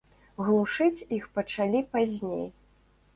Глушыць іх пачалі пазней.